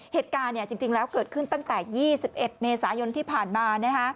เหตุการณ์จริงแล้วเกิดขึ้นตั้งแต่๒๑เมษายนที่ผ่านมา